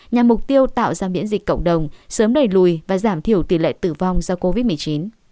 nhằm mục tiêu tạo ra miễn dịch cộng đồng sớm đẩy lùi và giảm thiểu tỷ lệ tử vong do covid một mươi chín